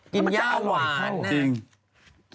กินย่าหวานน่ะ